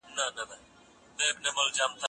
ایا دا روحیه اوس زموږ په هېواد کي سته؟